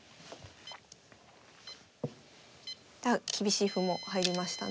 厳しい歩も入りましたね。